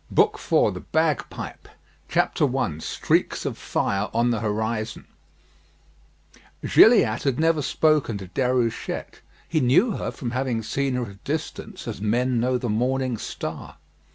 BOOK IV THE BAGPIPE I STREAKS OF FIRE ON THE HORIZON Gilliatt had never spoken to Déruchette; he knew her from having seen her at a distance, as men know the morning star.